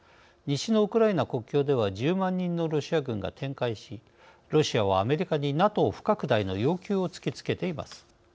西のウクライナ国境では１０万人のロシア軍が展開しロシアはアメリカにＮＡＴＯ不拡大の要求を突きつけています。